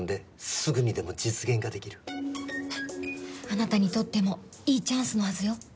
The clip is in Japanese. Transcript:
あなたにとってもいいチャンスのはずよ。